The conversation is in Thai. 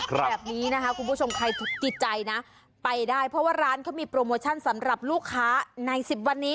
แบบนี้นะคะคุณผู้ชมใครจิตใจนะไปได้เพราะว่าร้านเขามีโปรโมชั่นสำหรับลูกค้าใน๑๐วันนี้